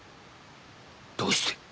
どうして？